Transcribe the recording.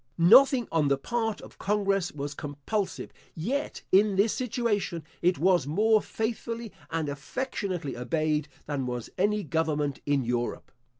Nothing on the part of congress was compulsive; yet, in this situation, it was more faithfully and affectionately obeyed than was any government in Europe.